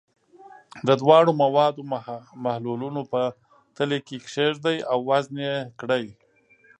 د دواړو موادو محلولونه په تلې کې کیږدئ او وزن یې کړئ.